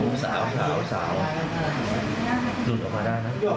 โหสาวสาวสาวรุ่นออกมาได้นะ